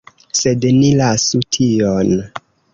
Sed ni lasu tion!